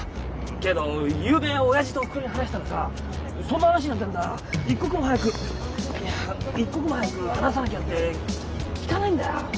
けどゆうべ親父とおふくろに話したらさそんな話になってんなら一刻も早く一刻も早く話さなきゃって聞かないんだよ。